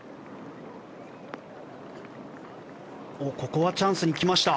ここはチャンスに来ました。